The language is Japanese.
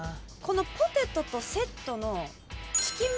ポテトとセットの。